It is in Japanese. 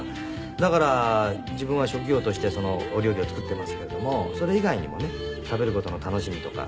だから自分は職業としてお料理を作ってますけれどもそれ以外にもね食べる事の楽しみとか感じるとか。